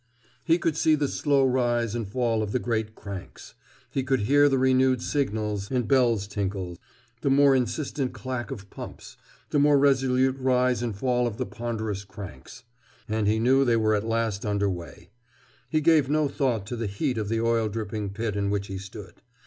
He could see the slow rise and fall of the great cranks. He could hear the renewed signals and bells tinkles, the more insistent clack of pumps, the more resolute rise and fall of the ponderous cranks. And he knew that they were at last under way. He gave no thought to the heat of the oil dripping pit in which he stood.